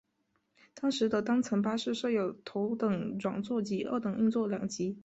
当时的单层巴士设有头等软座及二等硬座两级。